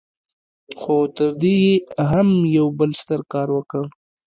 خو تر دې يې هم يو بل ستر کار وکړ.